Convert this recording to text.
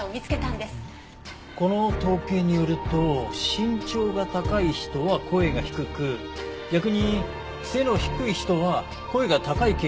この統計によると身長が高い人は声が低く逆に背の低い人は声が高い傾向が見られるんですね。